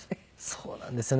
そうなんですよね。